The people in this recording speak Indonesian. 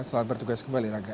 selamat bertugas kembali raga